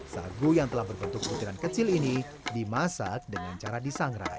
sagu yang telah berbentuk butiran kecil ini dimasak dengan cara disangrai